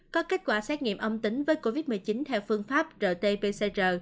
có kết quả xét nghiệm âm tính với covid một mươi chín theo phương pháp rt pcr